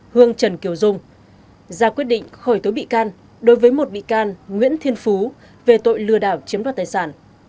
hương trần kiều dung ra quyết định khởi tố bị can đối với một bị can nguyễn thiên phú về tội lừa đảo chiếm đoạt tài sản